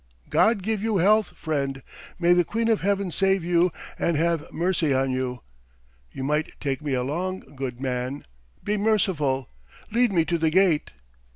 "God give you health, friend. May the Queen of Heaven save you and have mercy on you. You might take me along, good man! Be merciful! Lead me to the gate."